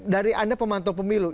dari anda pemantau pemilu